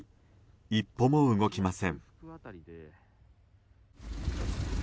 一歩も動きません。